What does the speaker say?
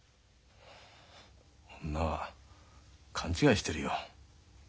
女は勘違いしてるよ。